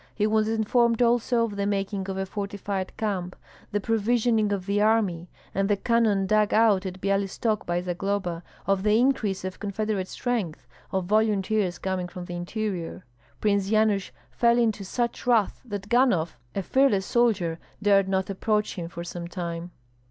He was informed also of the making of a fortified camp, the provisioning of the army, and the cannon dug out at Byalystok by Zagloba, of the increase of confederate strength, of volunteers coming from the interior. Prince Yanush fell into such wrath that Ganhoff, a fearless soldier, dared not approach him for some time.